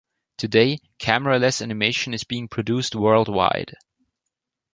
Today, cameraless animation is being produced worldwide.